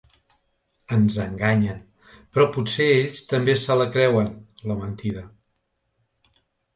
Ens enganyen, però potser ells també se la creuen, la mentida.